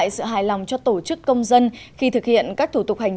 xin chào các bạn